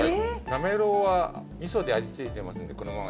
なめろうは味噌で味ついてますのでこのまま。